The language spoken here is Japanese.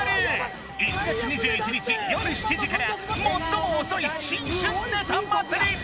１月２１日よる７時から最も遅い新春ネタ祭り！